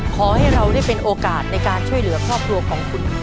ขอให้เราได้เป็นโอกาสในการช่วยเหลือครอบครัวของคุณ